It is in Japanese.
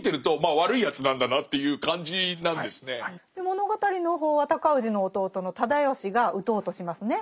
物語の方は尊氏の弟の直義が討とうとしますね。